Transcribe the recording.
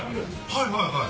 はいはいはい。